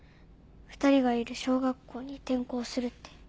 ２人がいる小学校に転校するって。